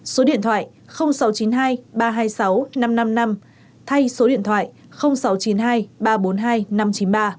số điện thoại sáu trăm chín mươi hai ba trăm hai mươi sáu năm trăm năm mươi năm thay số điện thoại sáu trăm chín mươi hai ba trăm bốn mươi hai năm trăm chín mươi ba